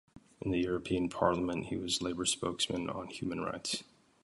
In the European Parliament he was Labour spokesman on human rights.